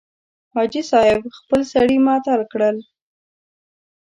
حاجي صاحب خپل سړي معطل کړل.